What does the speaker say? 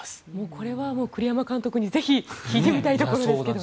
これは栗山監督にぜひ聞きたいところですね。